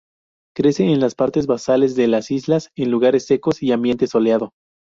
Crece en las partes basales de las islas, en lugares secos y ambiente soleado.